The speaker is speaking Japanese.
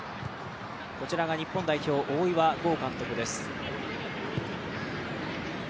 こちらが日本代表大岩剛監督です。